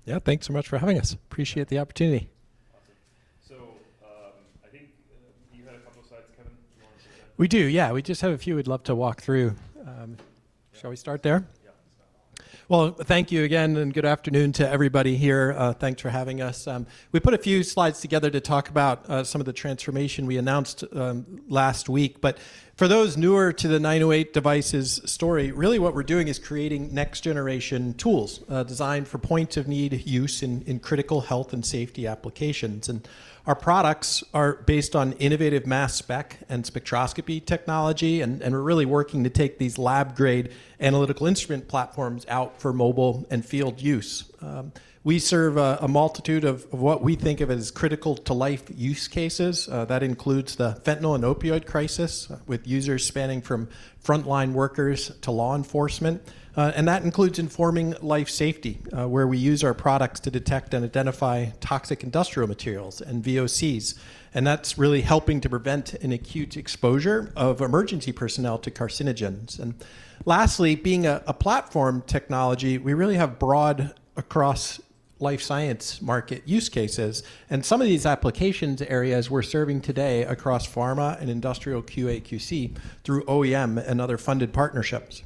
Devices, CEO Kevin Knopp and Joe Griffith, CFO. Great to have you guys at our conference. Yeah, thanks so much for having us. Appreciate the opportunity. Awesome. I think you had a couple of slides, Kevin. Do you want to present? We do, yeah. We just have a few we'd love to walk through. Shall we start there? Yeah, let's start off. Thank you again, and good afternoon to everybody here. Thanks for having us. We put a few slides together to talk about some of the transformation we announced last week. For those newer to the 908 Devices story, really what we're doing is creating next-generation tools designed for point-of-need use in critical health and safety applications. Our products are based on innovative mass spec and spectroscopy technology. We're really working to take these lab-grade analytical instrument platforms out for mobile and field use. We serve a multitude of what we think of as critical-to-life use cases. That includes the fentanyl and opioid crisis, with users spanning from frontline workers to law enforcement. That includes informing life safety, where we use our products to detect and identify toxic industrial materials and VOCs. That's really helping to prevent an acute exposure of emergency personnel to carcinogens. Lastly, being a platform technology, we really have broad across life science market use cases. Some of these applications areas we're serving today across pharma and industrial QA/QC through OEM and other funded partnerships.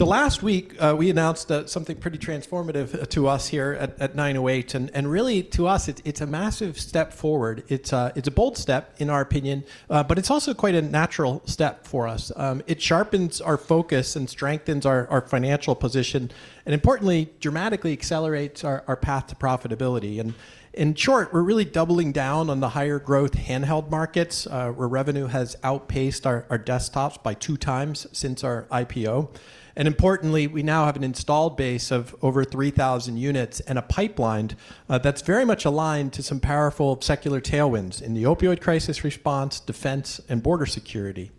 Last week, we announced something pretty transformative to us here at 908. Really, to us, it's a massive step forward. It's a bold step, in our opinion. It's also quite a natural step for us. It sharpens our focus and strengthens our financial position. Importantly, it dramatically accelerates our path to profitability. In short, we're really doubling down on the higher growth handheld markets, where revenue has outpaced our desktops by two times since our IPO. Importantly, we now have an installed base of over 3,000 units and a pipeline that's very much aligned to some powerful secular tailwinds in the opioid crisis response, defense, and border security.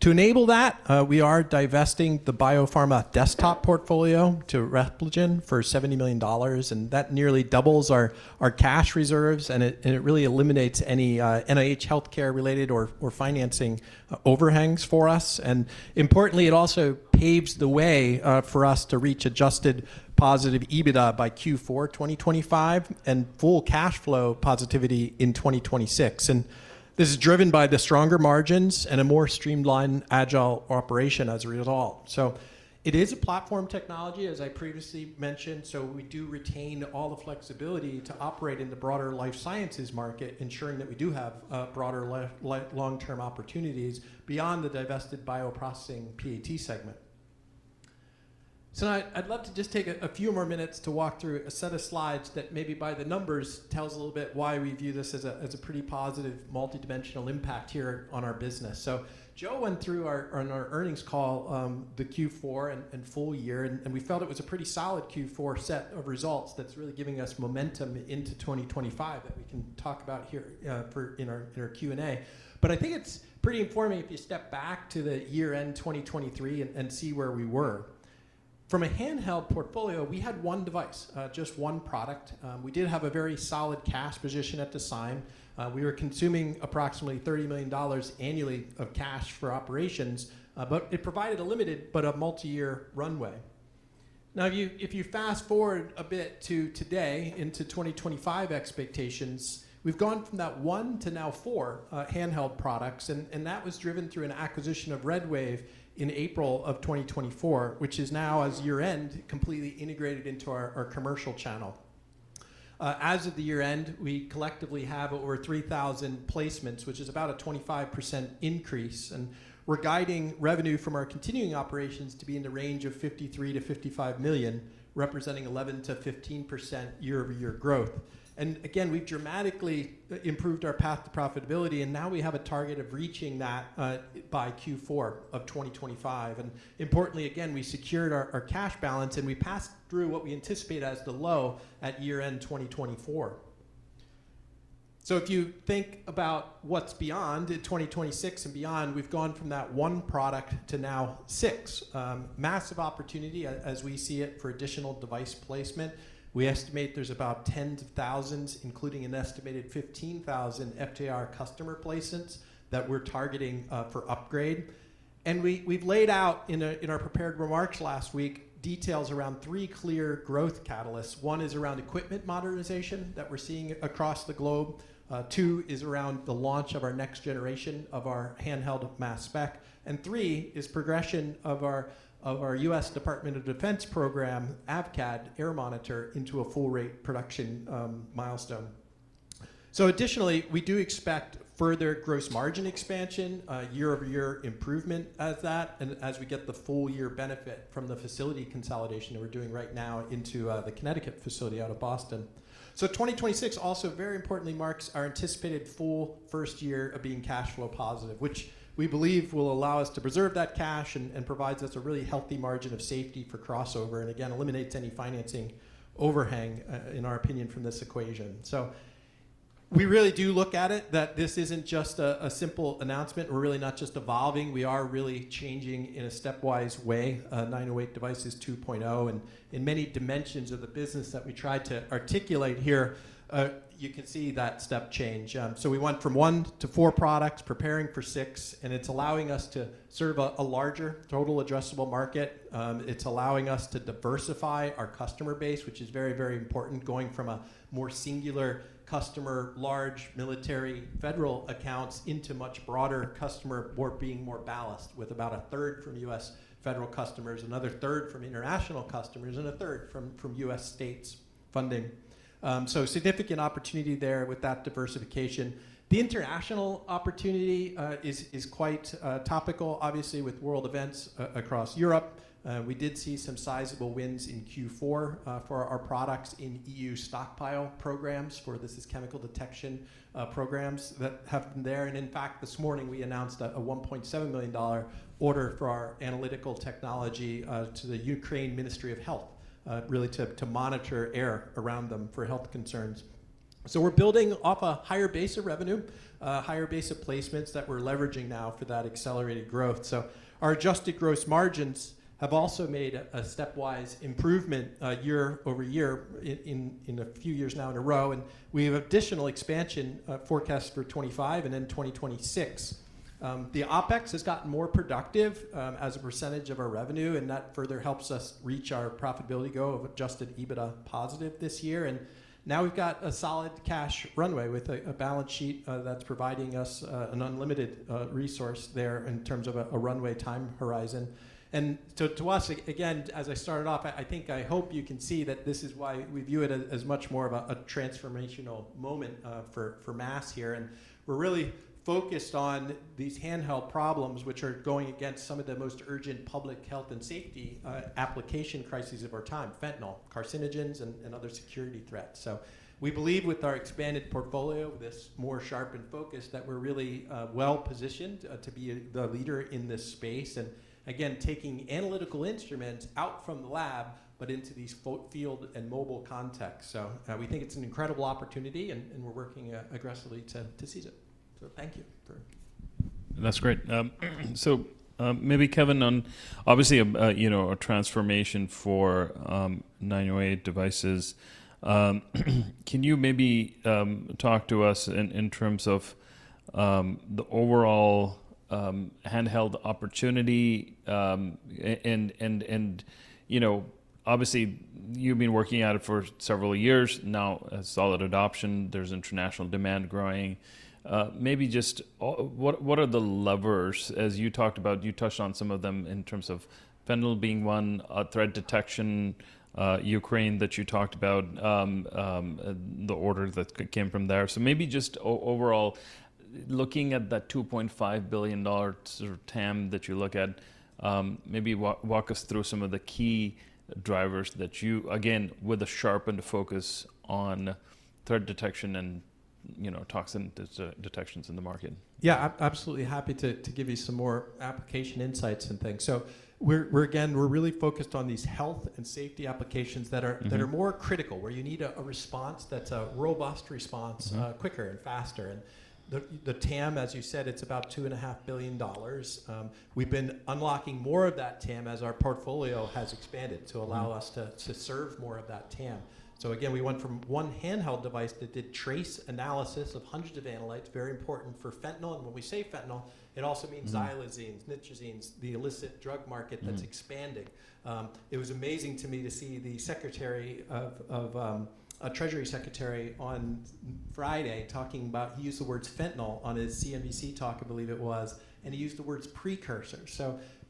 To enable that, we are divesting the biopharma desktop portfolio to Repligen for $70 million. That nearly doubles our cash reserves. It really eliminates any NIH healthcare-related or financing overhangs for us. Importantly, it also paves the way for us to reach adjusted positive EBITDA by Q4 2025 and full cash flow positivity in 2026. This is driven by the stronger margins and a more streamlined agile operation as a result. It is a platform technology, as I previously mentioned. We do retain all the flexibility to operate in the broader life sciences market, ensuring that we do have broader long-term opportunities beyond the divested bioprocessing PAT segment. Now I'd love to just take a few more minutes to walk through a set of slides that maybe by the numbers tells a little bit why we view this as a pretty positive multidimensional impact here on our business. Joe went through on our earnings call the Q4 and full year. We felt it was a pretty solid Q4 set of results that's really giving us momentum into 2025 that we can talk about here in our Q&A. I think it's pretty informing if you step back to the year-end 2023 and see where we were. From a handheld portfolio, we had one device, just one product. We did have a very solid cash position at the time. We were consuming approximately $30 million annually of cash for operations. It provided a limited but a multi-year runway. Now, if you fast forward a bit to today, into 2025 expectations, we've gone from that one to now four handheld products. That was driven through an acquisition of RedWave in April of 2024, which is now, as year-end, completely integrated into our commercial channel. As of the year-end, we collectively have over 3,000 placements, which is about a 25% increase. We're guiding revenue from our continuing operations to be in the range of $53 to $55 million, representing 11% to 15% year-over-year growth. We've dramatically improved our path to profitability. We have a target of reaching that by Q4 of 2025. Importantly, we secured our cash balance. We passed through what we anticipate as the low at year-end 2024. If you think about what's beyond 2026 and beyond, we've gone from that one product to now six. Massive opportunity, as we see it, for additional device placement. We estimate there's about 10,000, including an estimated 15,000 FTIR customer placements that we're targeting for upgrade. We have laid out in our prepared remarks last week details around three clear growth catalysts. One is around equipment modernization that we're seeing across the globe. Two is around the launch of our next generation of our handheld mass spec. Three is progression of our U.S. Department of Defense program, AVCAD, Air Monitor, into a full-rate production milestone. So additionally we do expect further gross margin expansion, year-over-year improvement of that, as we get the full-year benefit from the facility consolidation that we're doing right now into the Connecticut facility out of Boston. 2026 also, very importantly, marks our anticipated full first year of being cash flow positive, which we believe will allow us to preserve that cash and provides us a really healthy margin of safety for crossover. Again, eliminates any financing overhang, in our opinion, from this equation. We really do look at it that this isn't just a simple announcement. We're really not just evolving. We are really changing in a stepwise way. 908 Devices 2.0 and in many dimensions of the business that we tried to articulate here, you can see that step change. We went from one to four products, preparing for six. It's allowing us to serve a larger total addressable market. It's allowing us to diversify our customer base, which is very, very important, going from a more singular customer, large military, federal accounts into much broader customer being more balanced, with about a third from U.S. federal customers, another third from international customers, and a third from U.S. states funding. Significant opportunity there with that diversification. The international opportunity is quite topical, obviously, with world events across Europe. We did see some sizable wins in Q4 for our products in EU stockpile programs, where this is chemical detection programs that have been there. In fact, this morning, we announced a $1.7 million order for our analytical technology to the Ukraine Ministry of Health, really to monitor air around them for health concerns. We're building off a higher base of revenue, a higher base of placements that we're leveraging now for that accelerated growth. Our adjusted gross margins have also made a stepwise improvement year over year in a few years now in a row. We have additional expansion forecast for 2025 and then 2026. The OpEx has gotten more productive as a percentage of our revenue. That further helps us reach our profitability goal of adjusted EBITDA positive this year. Now we've got a solid cash runway with a balance sheet that's providing us an unlimited resource there in terms of a runway time horizon. To us, again, as I started off, I think I hope you can see that this is why we view it as much more of a transformational moment for mass here. We're really focused on these handheld problems, which are going against some of the most urgent public health and safety application crises of our time: fentanyl, carcinogens, and other security threats. We believe, with our expanded portfolio, this more sharpened focus, that we're really well-positioned to be the leader in this space. Again, taking analytical instruments out from the lab, but into these field and mobile contexts. We think it's an incredible opportunity. We're working aggressively to seize it. Thank you. That's great. Maybe, Kevin, on obviously a transformation for 908 Devices, can you maybe talk to us in terms of the overall handheld opportunity? Obviously, you've been working at it for several years now, a solid adoption. There's international demand growing. Maybe just what are the levers, as you talked about? You touched on some of them in terms of fentanyl being one, threat detection, Ukraine that you talked about, the order that came from there. Maybe just overall, looking at that $2.5 billion sort of TAM that you look at, maybe walk us through some of the key drivers that you, again, with a sharpened focus on threat detection and toxin detections in the market. Yeah, absolutely happy to give you some more application insights and things. Again, we're really focused on these health and safety applications that are more critical, where you need a response that's a robust response, quicker and faster. The TAM, as you said, it's about $2.5 billion. We've been unlocking more of that TAM as our portfolio has expanded to allow us to serve more of that TAM. Again, we went from one handheld device that did trace analysis of hundreds of analytes, very important for fentanyl. When we say fentanyl, it also means xylazine, nitazenes, the illicit drug market that's expanding. It was amazing to me to see the Secretary of Treasury Secretary on Friday talking about he used the words fentanyl on his CNBC talk, I believe it was. He used the words precursors.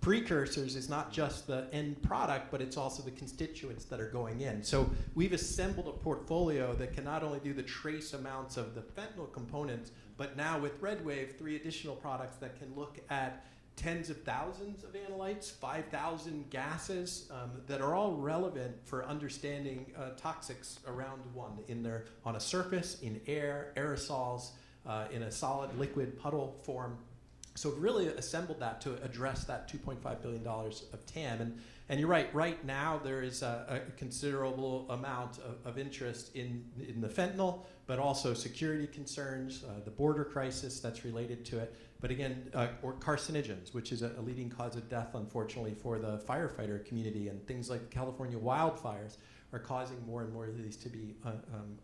Precursors is not just the end product, but it's also the constituents that are going in. We've assembled a portfolio that can not only do the trace amounts of the fentanyl components, but now with RedWave, three additional products that can look at tens of thousands of analytes, 5,000 gases that are all relevant for understanding toxics around one in there on a surface, in air, aerosols, in a solid liquid puddle form. Really assembled that to address that $2.5 billion of TAM. You're right, right now there is a considerable amount of interest in the fentanyl, but also security concerns, the border crisis that's related to it. Again, or carcinogens, which is a leading cause of death, unfortunately, for the firefighter community. Things like California wildfires are causing more and more of these to be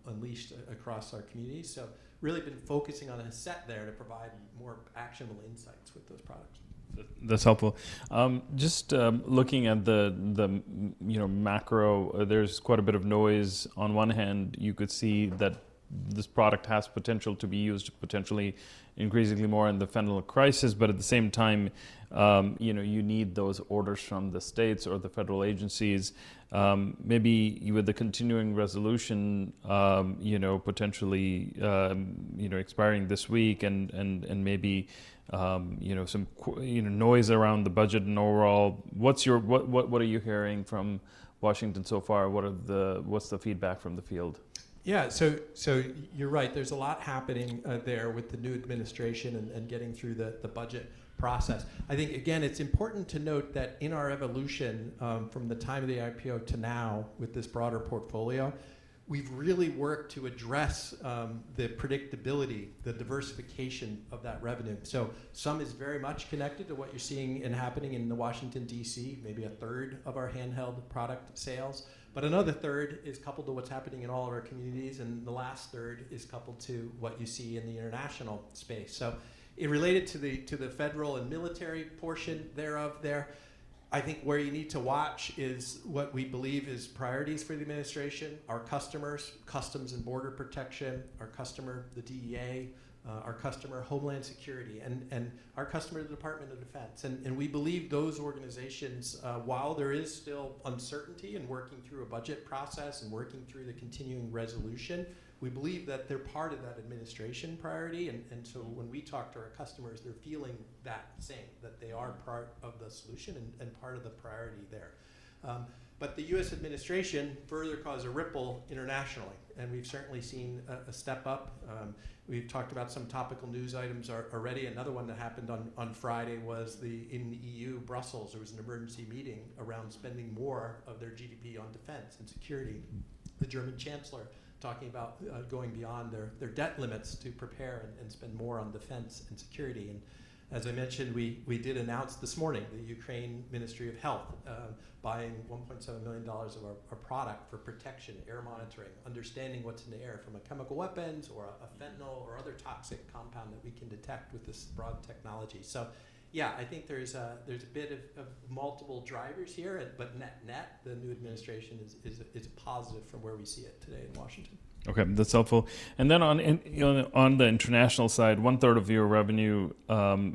unleashed across our community. Really been focusing on a set there to provide more actionable insights with those products. That's helpful. Just looking at the macro, there's quite a bit of noise. On one hand, you could see that this product has potential to be used potentially increasingly more in the fentanyl crisis. At the same time, you need those orders from the states or the federal agencies. Maybe with the continuing resolution potentially expiring this week and maybe some noise around the budget and overall, what are you hearing from Washington so far? What's the feedback from the field? Yeah, so you're right. There's a lot happening there with the new administration and getting through the budget process. I think, again, it's important to note that in our evolution from the time of the IPO to now with this broader portfolio, we've really worked to address the predictability, the diversification of that revenue. Some is very much connected to what you're seeing and happening in Washington, DC, maybe a third of our handheld product sales. Another third is coupled to what's happening in all of our communities. The last third is coupled to what you see in the international space. Related to the federal and military portion thereof there, I think where you need to watch is what we believe is priorities for the administration, our customers, Customs and Border Protection, our customer, the DEA, our customer, Homeland Security, and our customer, the Department of Defense. We believe those organizations, while there is still uncertainty in working through a budget process and working through the continuing resolution, we believe that they're part of that administration priority. When we talk to our customers, they're feeling that same, that they are part of the solution and part of the priority there. The U.S. administration further caused a ripple internationally. We've certainly seen a step up. We've talked about some topical news items already. Another one that happened on Friday was in the EU, Brussels, there was an emergency meeting around spending more of their GDP on defense and security. The German Chancellor talking about going beyond their debt limits to prepare and spend more on defense and security. As I mentioned, we did announce this morning the Ukraine Ministry of Health buying $1.7 million of our product for protection, air monitoring, understanding what's in the air from a chemical weapons or a fentanyl or other toxic compound that we can detect with this broad technology. Yeah, I think there's a bit of multiple drivers here. Net net, the new administration is positive from where we see it today in Washington. Okay, that's helpful. Then on the international side, one third of your revenue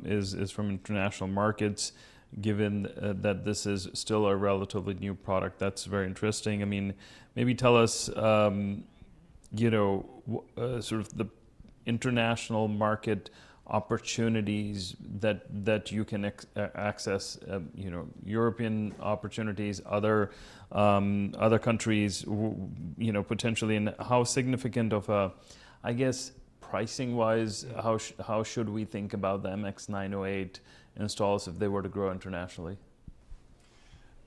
is from international markets, given that this is still a relatively new product. That's very interesting. I mean, maybe tell us sort of the international market opportunities that you can access, European opportunities, other countries potentially. How significant of a, I guess, pricing-wise, how should we think about the MX908 installs if they were to grow internationally?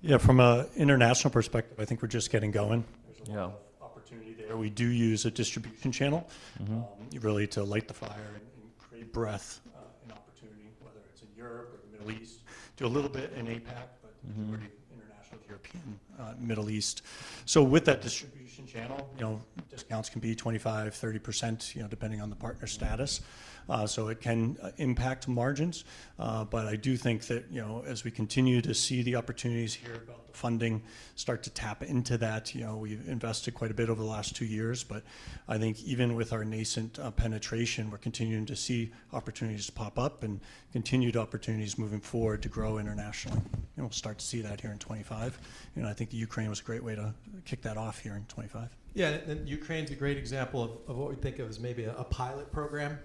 Yeah, from an international perspective, I think we're just getting going. There's a lot of opportunity there. We do use a distribution channel, really, to light the fire and create breadth and opportunity, whether it's in Europe or the Middle East, to a little bit in APAC, but pretty international, European, Middle East. With that distribution channel, discounts can be 25% to 30%, depending on the partner status. It can impact margins. I do think that as we continue to see the opportunities here about the funding start to tap into that, we've invested quite a bit over the last two years. I think even with our nascent penetration, we're continuing to see opportunities pop up and continued opportunities moving forward to grow internationally. We'll start to see that here in 2025. I think Ukraine was a great way to kick that off here in 2025. Yeah. Ukraine's a great example of what we think of as maybe a pilot program,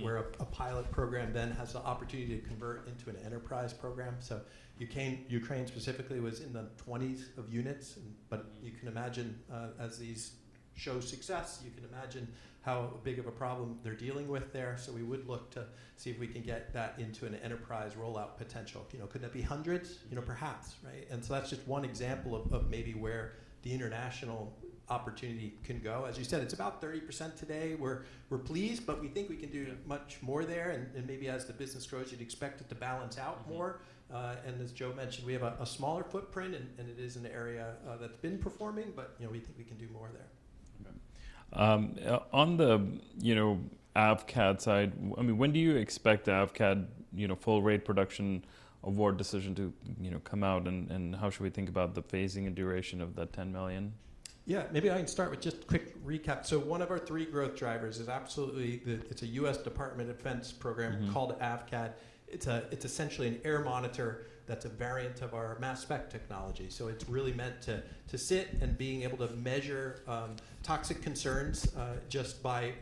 where a pilot program then has the opportunity to convert into an enterprise program. Ukraine specifically was in the 20s of units. You can imagine, as these show success, you can imagine how big of a problem they're dealing with there. We would look to see if we can get that into an enterprise rollout potential. Could that be hundreds? Perhaps, right? That's just one example of maybe where the international opportunity can go. As you said, it's about 30% today. We're pleased, but we think we can do much more there. Maybe as the business grows, you'd expect it to balance out more. As Joe mentioned, we have a smaller footprint, and it is an area that's been performing. We think we can do more there. Okay. On the AVCAD side, I mean, when do you expect AVCAD full rate production award decision to come out? How should we think about the phasing and duration of that $10 million? Yeah, maybe I can start with just a quick recap. One of our three growth drivers is absolutely the U.S. Department of Defense program called AVCAD. It's essentially an air monitor that's a variant of our mass spec technology. It's really meant to sit and be able to measure toxic concerns, just by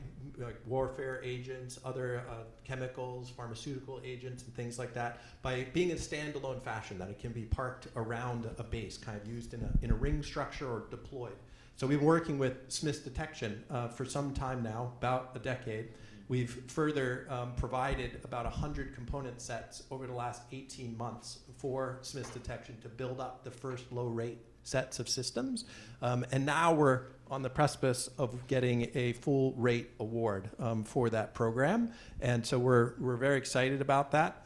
warfare agents, other chemicals, pharmaceutical agents, and things like that, by being in a standalone fashion that it can be parked around a base, kind of used in a ring structure or deployed. We've been working with Smiths Detection for some time now, about a decade. We've further provided about 100 component sets over the last 18 months for Smiths Detection to build up the first low rate sets of systems. Now we're on the precipice of getting a full rate award for that program. We're very excited about that.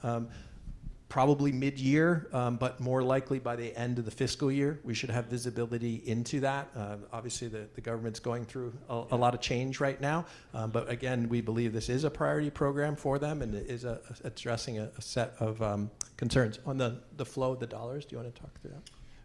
Probably mid-year, but more likely by the end of the fiscal year, we should have visibility into that. Obviously, the government's going through a lot of change right now. Again, we believe this is a priority program for them and is addressing a set of concerns. On the flow of the dollars, do you want to talk through that?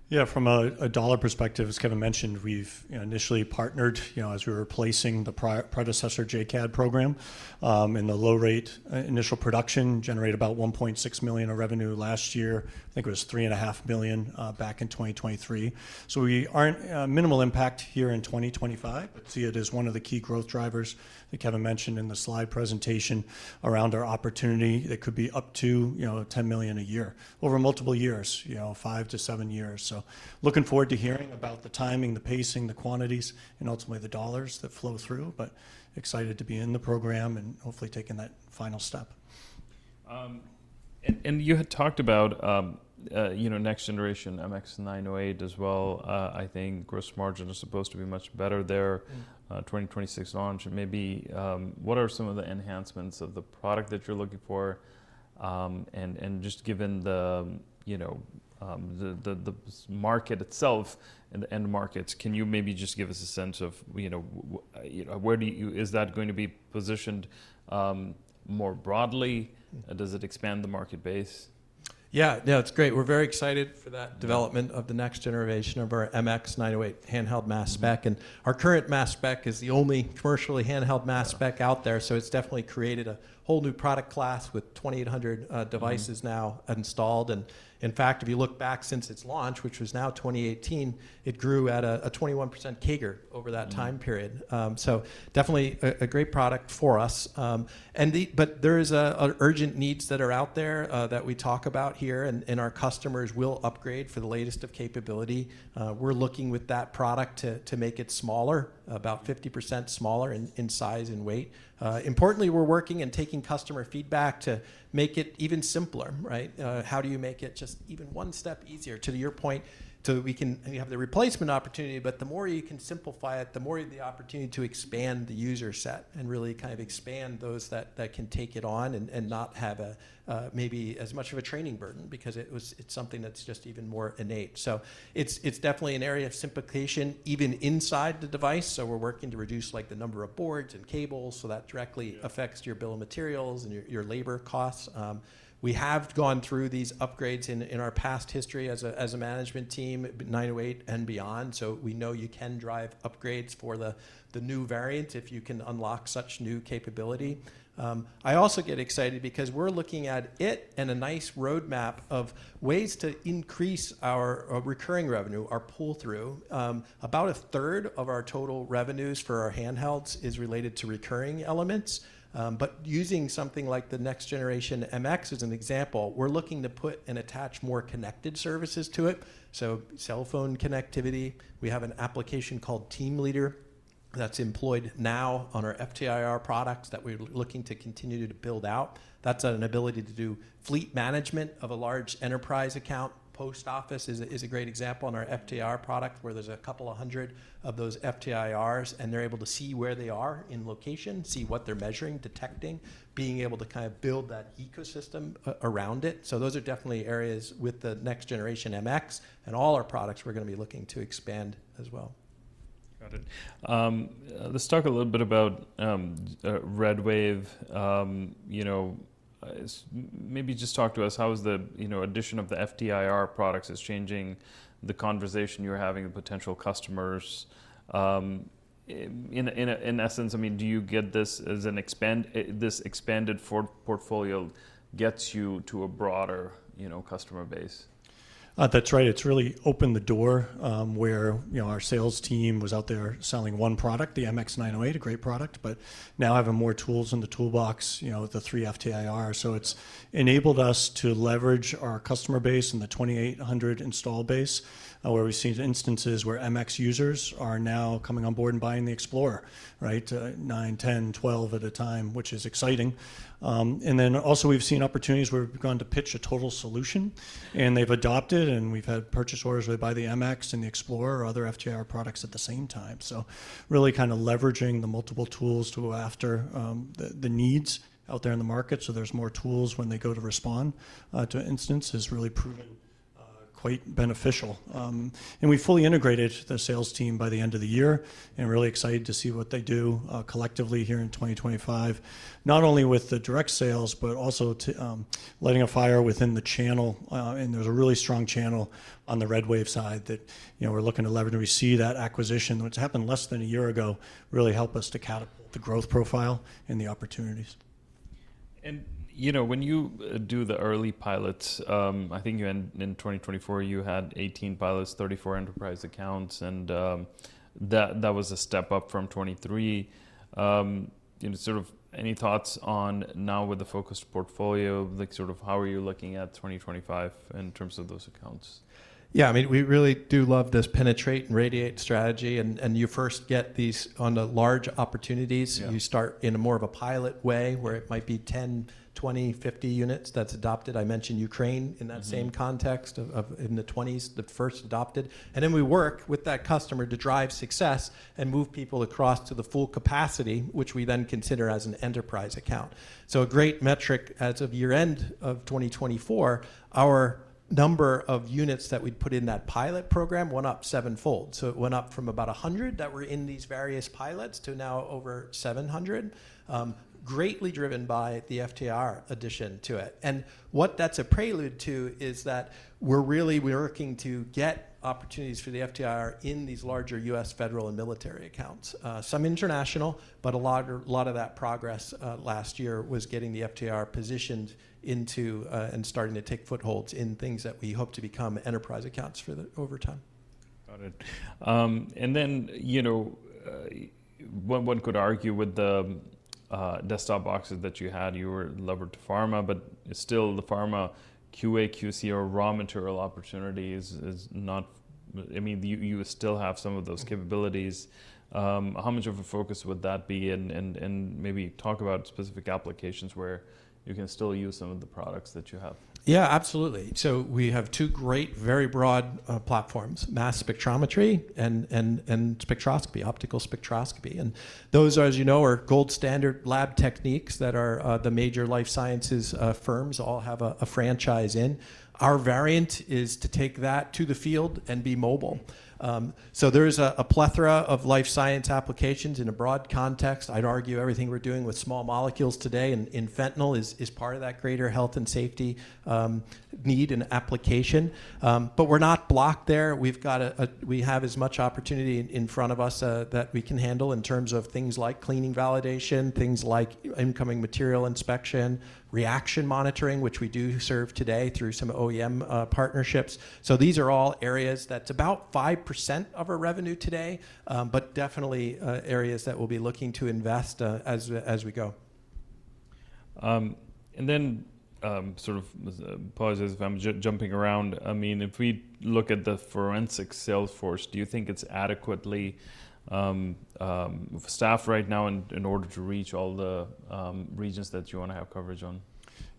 Yeah. From a dollar perspective, as Kevin mentioned, we've initially partnered as we were placing the predecessor JCAD program in the low rate initial production, generated about $1.6 million of revenue last year. I think it was $3.5 million back in 2023. We are not minimal impact here in 2025, but see it as one of the key growth drivers that Kevin mentioned in the slide presentation around our opportunity that could be up to $10 million a year over multiple years, five to seven years. Looking forward to hearing about the timing, the pacing, the quantities, and ultimately the dollars that flow through. Excited to be in the program and hopefully taking that final step. You had talked about next generation MX908 as well. I think gross margin is supposed to be much better there, 2026 launch. Maybe what are some of the enhancements of the product that you're looking for? And just given the market itself and the end markets, can you maybe just give us a sense of where is that going to be positioned more broadly? Does it expand the market base? Yeah, no, it's great. We're very excited for that development of the next generation of our MX908 handheld mass spec. And our current mass spec is the only commercially handheld mass spec out there. It's definitely created a whole new product class with 2,800 devices now installed. In fact, if you look back since its launch, which was now 2018, it grew at a 21% CAGR over that time period. It's definitely a great product for us. There are urgent needs that are out there that we talk about here. Our customers will upgrade for the latest of capability. We're looking with that product to make it smaller, about 50% smaller in size and weight. Importantly, we're working and taking customer feedback to make it even simpler, right? How do you make it just even one step easier to your point, so we can have the replacement opportunity? The more you can simplify it, the more you have the opportunity to expand the user set and really kind of expand those that can take it on and not have maybe as much of a training burden because it's something that's just even more innate. It's definitely an area of simplification even inside the device. We're working to reduce the number of boards and cables so that directly affects your bill of materials and your labor costs. We have gone through these upgrades in our past history as a management team, 908 and beyond. We know you can drive upgrades for the new variant if you can unlock such new capability. I also get excited because we're looking at it and a nice roadmap of ways to increase our recurring revenue, our pull-through. About a third of our total revenues for our handhelds is related to recurring elements. Using something like the next generation MX as an example, we're looking to put and attach more connected services to it. Cell phone connectivity, we have an application called TeamLeader that's employed now on our FTIR products that we're looking to continue to build out. That's an ability to do fleet management of a large enterprise account. Post Office is a great example on our FTIR product where there's a couple of hundred of those FTIRs, and they're able to see where they are in location, see what they're measuring, detecting, being able to kind of build that ecosystem around it. Those are definitely areas with the next generation MX and all our products we're going to be looking to expand as well. Got it. Let's talk a little bit about RedWave. Maybe just talk to us, how is the addition of the FTIR products changing the conversation you're having with potential customers? In essence, I mean, do you get this as an expanded portfolio gets you to a broader customer base? That's right. It's really opened the door where our sales team was out there selling one product, the MX908, a great product, but now have more tools in the toolbox with the three FTIRs. It's enabled us to leverage our customer base and the 2,800 install base where we've seen instances where MX users are now coming on board and buying the Explorer, right? Nine, 10, 12 at a time, which is exciting. We've also seen opportunities where we've gone to pitch a total solution. They've adopted, and we've had purchase orders where they buy the MX and the Explorer or other FTIR products at the same time. Really kind of leveraging the multiple tools to go after the needs out there in the market so there's more tools when they go to respond to incidents has really proven quite beneficial. We fully integrated the sales team by the end of the year and are really excited to see what they do collectively here in 2025, not only with the direct sales, but also lighting a fire within the channel. There is a really strong channel on the RedWave side that we are looking to leverage and we see that acquisition that happened less than a year ago really help us to catapult the growth profile and the opportunities. When you do the early pilots, I think in 2024, you had 18 pilots, 34 enterprise accounts. That was a step up from 2023. Sort of any thoughts on now with the focused portfolio, sort of how are you looking at 2025 in terms of those accounts? Yeah, I mean, we really do love this penetrate and radiate strategy. You first get these on the large opportunities. You start in more of a pilot way where it might be 10, 20, 50 units that's adopted. I mentioned Ukraine in that same context in the 2020s, the first adopted. We work with that customer to drive success and move people across to the full capacity, which we then consider as an enterprise account. A great metric as of year-end of 2024, our number of units that we'd put in that pilot program went up seven-fold. It went up from about 100 that were in these various pilots to now over 700, greatly driven by the FTIR addition to it. What that's a prelude to is that we're really working to get opportunities for the FTIR in these larger U.S. federal and military accounts. Some international, but a lot of that progress last year was getting the FTIR positioned into and starting to take footholds in things that we hope to become enterprise accounts for over time. Got it. One could argue with the desktop boxes that you had. You were levered to pharma, but still the pharma, QA/QC, or raw material opportunities is not, I mean, you still have some of those capabilities. How much of a focus would that be? Maybe talk about specific applications where you can still use some of the products that you have. Yeah, absolutely. We have two great, very broad platforms, mass spectrometry and spectroscopy, optical spectroscopy. Those, as you know, are gold standard lab techniques that the major life sciences firms all have a franchise in. Our variant is to take that to the field and be mobile. There is a plethora of life science applications in a broad context. I'd argue everything we're doing with small molecules today in fentanyl is part of that greater health and safety need and application. We're not blocked there. We have as much opportunity in front of us that we can handle in terms of things like cleaning validation, things like incoming material inspection, reaction monitoring, which we do serve today through some OEM partnerships. These are all areas that's about 5% of our revenue today, but definitely areas that we'll be looking to invest as we go. Sort of pauses if I'm jumping around. I mean, if we look at the forensic sales force, do you think it's adequately staffed right now in order to reach all the regions that you want to have coverage on?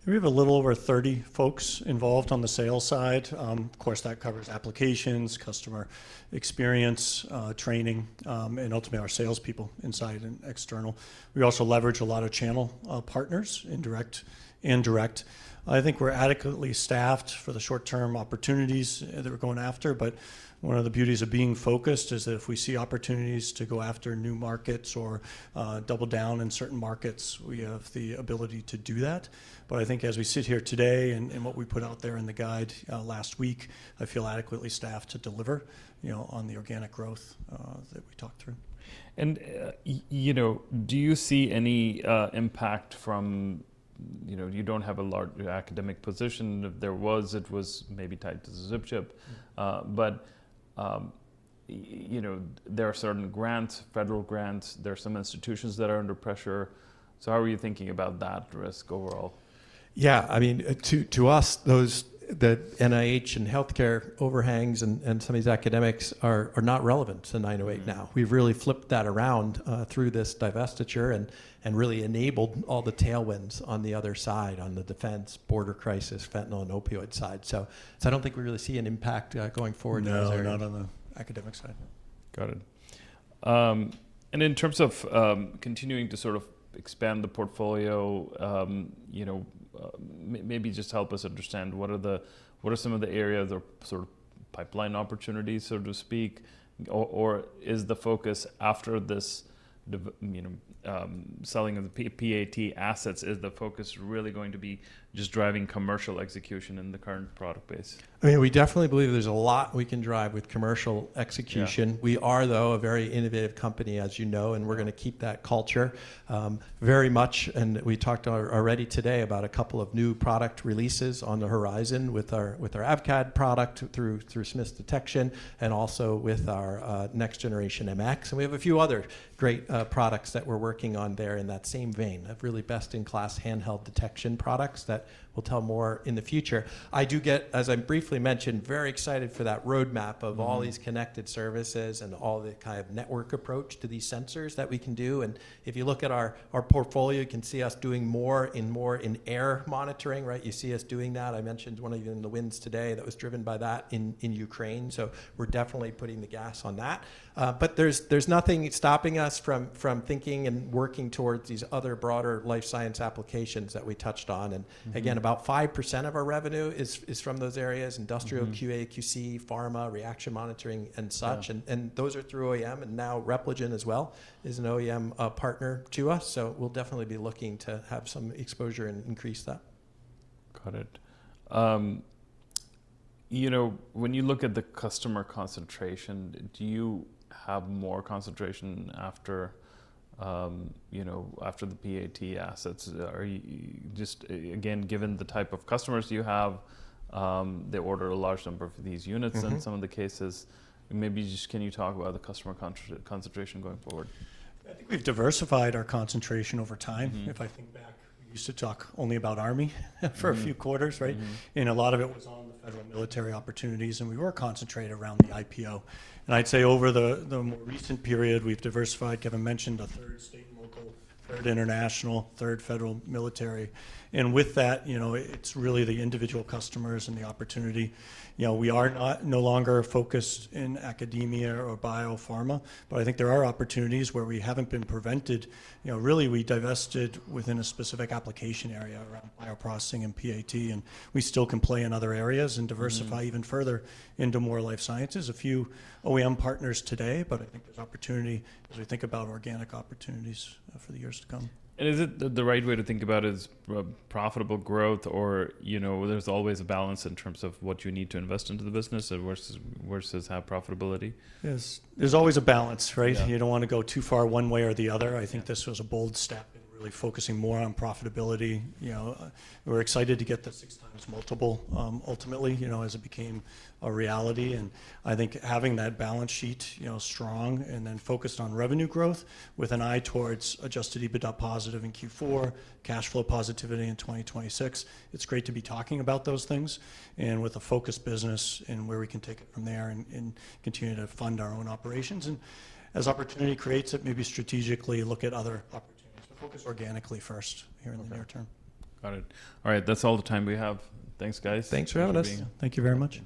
We have a little over 30 folks involved on the sales side. Of course, that covers applications, customer experience, training, and ultimately our salespeople inside and external. We also leverage a lot of channel partners in direct and direct. I think we're adequately staffed for the short-term opportunities that we're going after. One of the beauties of being focused is that if we see opportunities to go after new markets or double down in certain markets, we have the ability to do that. I think as we sit here today and what we put out there in the guide last week, I feel adequately staffed to deliver on the organic growth that we talked through. Do you see any impact from you do not have a large academic position? If there was, it was maybe tied to the ZipChip. There are certain grants, federal grants. There are some institutions that are under pressure. How are you thinking about that risk overall? Yeah, I mean, to us, the NIH and healthcare overhangs and some of these academics are not relevant to 908 now. We've really flipped that around through this divestiture and really enabled all the tailwinds on the other side, on the defense, border crisis, fentanyl and opioid side. I don't think we really see an impact going forward. No, not on the academic side. Got it. In terms of continuing to sort of expand the portfolio, maybe just help us understand what are some of the areas or sort of pipeline opportunities, so to speak? Or is the focus after this selling of the PAT assets, is the focus really going to be just driving commercial execution in the current product base? I mean, we definitely believe there's a lot we can drive with commercial execution. We are, though, a very innovative company, as you know, and we're going to keep that culture very much. We talked already today about a couple of new product releases on the horizon with our AVCAD product through Smiths Detection and also with our next generation MX. We have a few other great products that we're working on there in that same vein of really best-in-class handheld detection products that we'll tell more in the future. I do get, as I briefly mentioned, very excited for that roadmap of all these connected services and all the kind of network approach to these sensors that we can do. If you look at our portfolio, you can see us doing more and more in air monitoring, right? You see us doing that. I mentioned one of you in the winds today that was driven by that in Ukraine. We are definitely putting the gas on that. There is nothing stopping us from thinking and working towards these other broader life science applications that we touched on. Again, about 5% of our revenue is from those areas: industrial, QA/QC, pharma, reaction monitoring, and such. Those are through OEM. Now Repligen as well is an OEM partner to us. We will definitely be looking to have some exposure and increase that. Got it. When you look at the customer concentration, do you have more concentration after the PAT assets? Just again, given the type of customers you have, they order a large number of these units in some of the cases. Maybe just can you talk about the customer concentration going forward? I think we've diversified our concentration over time. If I think back, we used to talk only about Army for a few quarters, right? A lot of it was on the federal military opportunities, and we were concentrated around the IPO. I'd say over the more recent period, we've diversified. Kevin mentioned a third state and local, a third international, a third federal military. With that, it's really the individual customers and the opportunity. We are no longer focused in academia or biopharma, but I think there are opportunities where we haven't been prevented. Really, we divested within a specific application area around bioprocessing and PAT, and we still can play in other areas and diversify even further into more life sciences. A few OEM partners today, but I think there's opportunity as we think about organic opportunities for the years to come. Is it the right way to think about it as profitable growth, or there's always a balance in terms of what you need to invest into the business versus have profitability? Yes. There's always a balance, right? You don't want to go too far one way or the other. I think this was a bold step in really focusing more on profitability. We're excited to get the six times multiple ultimately as it became a reality. I think having that balance sheet strong and then focused on revenue growth with an eye towards adjusted EBITDA positive in Q4, cash flow positivity in 2026, it's great to be talking about those things and with a focused business and where we can take it from there and continue to fund our own operations. As opportunity creates it, maybe strategically look at other opportunities. We'll focus organically first here in the near term. Got it. All right. That's all the time we have. Thanks, guys. Thanks for having us. Thank you very much.